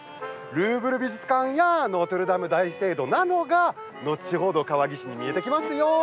ルーブル美術館やノートルダム大聖堂などが後ほど、川岸に見えてきますよ。